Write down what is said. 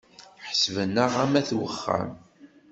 Ḥesben-aɣ am ayt uxxam.